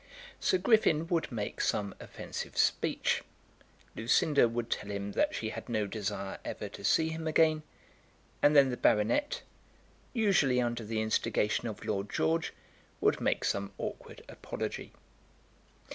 Sir Griffin would make some offensive speech; Lucinda would tell him that she had no desire ever to see him again; and then the baronet, usually under the instigation of Lord George, would make some awkward apology.